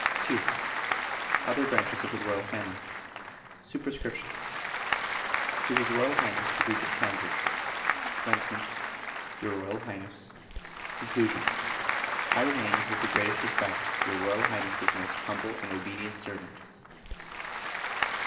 ii. Other branches of the Royal Family. Sup. To His Royal Highness the Duke of Cambridge. Comm. Your Royal Highness. Con. I remain, with the greatest respect, your Royal Highness's most humble and obedient servant.